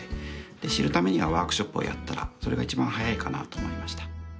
知るためにはワークショップをやったらそれが一番早いかなと思いました。